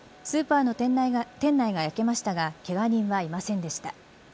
スーパーの店内が焼けましたがけが人はいませんでした。